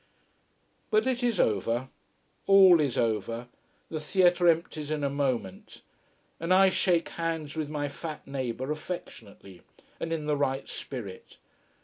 But it is over. All is over. The theatre empties in a moment. And I shake hands with my fat neighbour, affectionately, and in the right spirit.